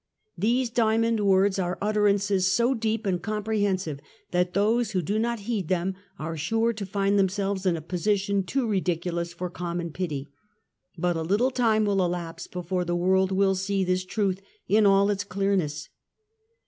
'^ These diamond words are utterances so deep and comprehensive that those who do not heed them, are sure to find themselves in a position too ridiculous for common pity. But a little time will elapse before the world will see this truth in all its clearness.